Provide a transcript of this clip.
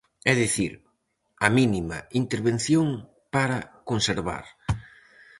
É dicir, a mínima intervención para conservar.